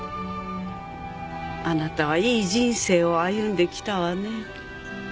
あなたはいい人生を歩んできたわね。